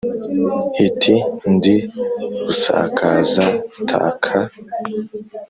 iti : ndi busakaza-taka